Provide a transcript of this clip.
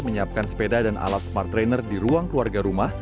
menyiapkan sepeda dan alat smart trainer di ruang keluarga rumah